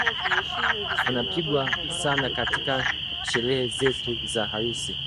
Unapigwa sana katika sherehe zetu za harusi